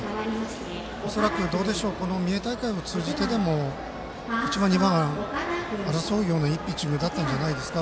恐らく、三重大会から通じてでも１番、２番を争うようないいピッチングだったんじゃないですか。